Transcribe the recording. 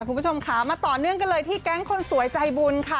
คุณผู้ชมค่ะมาต่อเนื่องกันเลยที่แก๊งคนสวยใจบุญค่ะ